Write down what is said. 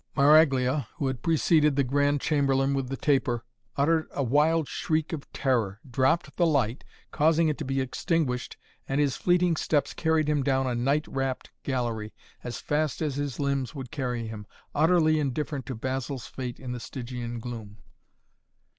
Maraglia, who had preceded the Grand Chamberlain with the taper, uttered a wild shriek of terror, dropped the light, causing it to be extinguished and his fleeting steps carried him down a night wrapped gallery as fast as his limbs would carry him, utterly indifferent to Basil's fate in the Stygian gloom.